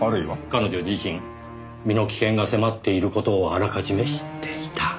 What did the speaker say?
彼女自身身の危険が迫っている事をあらかじめ知っていた。